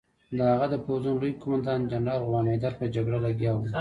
د هغه د پوځونو لوی قوماندان جنرال غلام حیدر په جګړه لګیا وو.